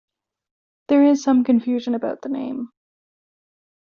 There is some confusion about the name.